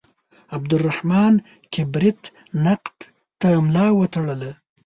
عبدالرحمان کبریت نقد ته ملا وتړله.